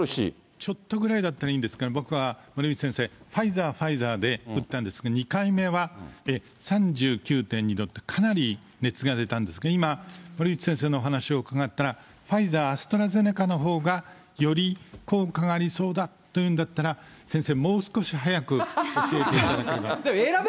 ちょっとぐらいだったらいいんですが、僕は森内先生、ファイザー、ファイザーで打ったんですが、２回目は３９．２度って、かなり熱が出たんですが、今、森内先生のお話を伺ったら、ファイザー、アストラゼネカのほうがより効果がありそうだというんだったら、先生、もう少し早く教えていただければ。